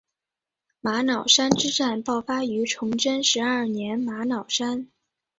玛瑙山之战爆发于崇祯十二年玛瑙山。